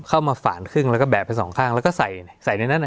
ฝ่านครึ่งแล้วก็แบกไปสองข้างแล้วก็ใส่ใส่ในนั้น